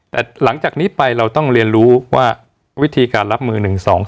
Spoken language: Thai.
แต่หลังจากนี้ไปเราต้องเรียนรู้ว่าวิธีการรับมือ๑๒๒